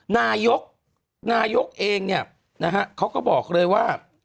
นายกนายกเองเนี่ยนะฮะเขาก็บอกเลยว่า